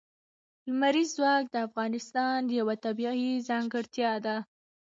لمریز ځواک د افغانستان یوه طبیعي ځانګړتیا ده.